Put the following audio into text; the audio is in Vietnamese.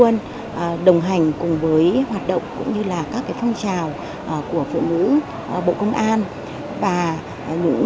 sống khỏe sống đầm ấm bên con cháu